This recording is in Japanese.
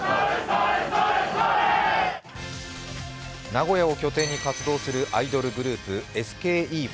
名古屋を拠点に活躍するアイドルグループ、ＳＫＥ４８。